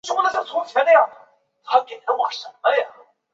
现在的建筑在历史上曾是一座中世纪城堡和文艺复兴城堡。